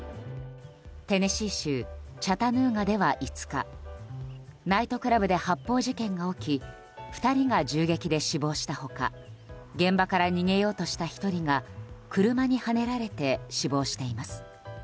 テネシー州チャタヌーガでは５日ナイトクラブで発砲事件が起き２人が銃撃で死亡した他現場から逃げようとした１人が車にはねられて死亡しています。